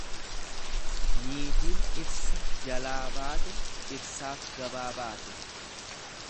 Niitiin dhirsa jalaa baate dhirsaaf gabaa baate.